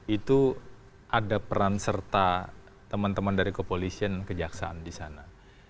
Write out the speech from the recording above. itu ada peran serta teman teman dari kepolisian dan kejaksaan di sana